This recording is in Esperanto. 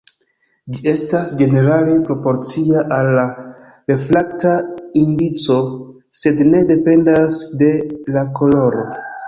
Ĝi estas ĝenerale proporcia al la refrakta indico, sed ne dependas de la koloro.